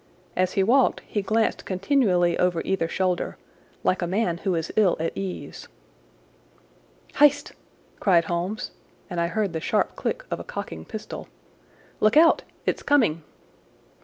As he walked he glanced continually over either shoulder, like a man who is ill at ease. "Hist!" cried Holmes, and I heard the sharp click of a cocking pistol. "Look out! It's coming!"